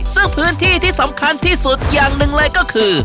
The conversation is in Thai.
ซึ่งพื้นที่ที่สำคัญที่สุดอย่างหนึ่งเลยก็คือ